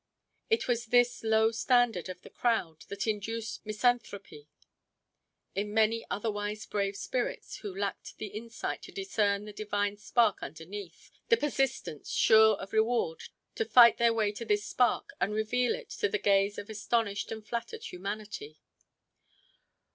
It was this low standard of the crowd that induced misanthropy in many otherwise brave spirits who lacked the insight to discern the divine spark underneath, the persistence, sure of reward, to fight their way to this spark and reveal it to the gaze of astonished and flattered humanity.